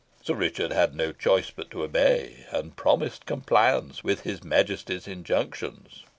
Sir Richard had no choice but to obey, and promised compliance with his Majesty's injunctions.